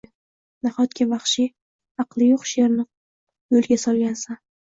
Nahotki vaxshiy, aqli yoʻq sherni yoʻlga solgansan?